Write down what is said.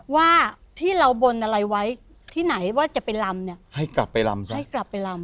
ว่าที่เราบนอะไรไว้ที่ไหนว่าจะไปลำเนี่ยให้กลับไปลำใช่ไหมให้กลับไปลำ